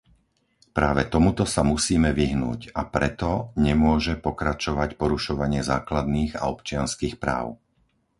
Práve tomuto sa musíme vyhnúť, a preto nemôže pokračovať porušovanie základných a občianskych práv.